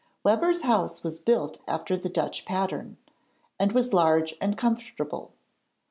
Webber's house was built after the Dutch pattern, and was large and comfortable.